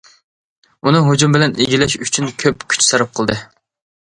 ئۇنى ھۇجۇم بىلەن ئىگىلەش ئۈچۈن كۆپ كۈچ سەرپ قىلدى.